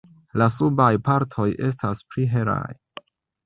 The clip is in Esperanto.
La subaj partoj estas pli helaj.